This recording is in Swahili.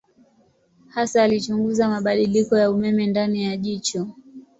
Hasa alichunguza mabadiliko ya umeme ndani ya jicho.